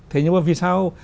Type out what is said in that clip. thế nhưng mà vì sao